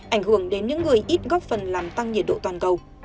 ảnh hưởng đến những người ít góp phần làm tăng nhiệt độ toàn cầu